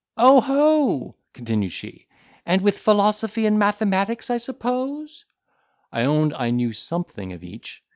"Oho!" continued she, "and with philosophy and mathematics, I suppose?" I owned I knew something of each.